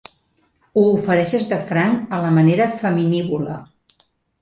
Ho ofereixes de franc a la manera feminívola.